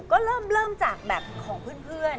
ก็เริ่มจากแบบของเพื่อน